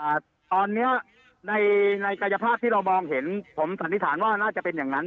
อ่าตอนเนี้ยในในกายภาพที่เรามองเห็นผมสันนิษฐานว่าน่าจะเป็นอย่างนั้น